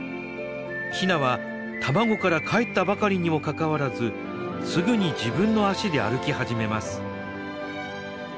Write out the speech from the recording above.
ヒナは卵からかえったばかりにもかかわらずすぐに自分の足で歩き始めます。